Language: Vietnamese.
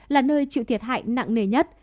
là nơi chịu thiệt hại nặng nề nhất